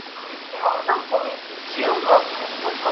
Wabuddha ni asilimia sita hadi kumina sita